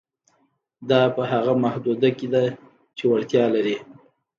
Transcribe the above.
دا په هغه محدوده کې ده چې وړتیا لري.